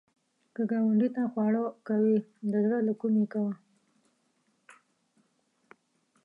که ګاونډي ته خواړه کوې، د زړه له کومي کوه